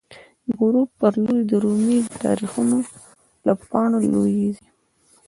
د غروب په لوری د رومی، د تاریخ له پاڼو لویزی